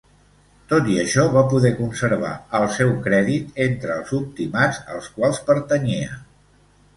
Tot i això va poder conservar el seu crèdit entre els optimats als quals pertanyia.